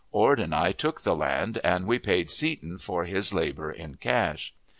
Ord and I took the land, and we paid Seton for his labor in cash.